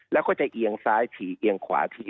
แล้วก็จะเอียงซ้ายทีเอียงขวาที